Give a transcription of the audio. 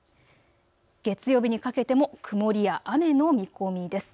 月曜日にかけても曇りや雨の見込みです。